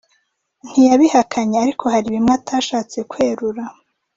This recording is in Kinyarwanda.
ntiyabihakanye ariko hari bimwe atashatse kwerura